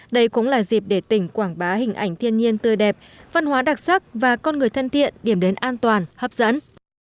đây cũng là dịp để tỉnh quảng bá hình ảnh thiên nhiên tươi đẹp văn hóa đặc sắc và con người thân thiện điểm đến an toàn hấp dẫn